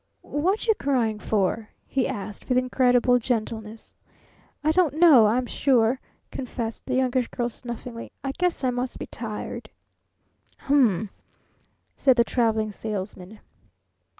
"What you crying for?" he asked with incredible gentleness. "I don't know, I'm sure," confessed the Youngish Girl, snuffingly. "I guess I must be tired." "U m m," said the Traveling Salesman.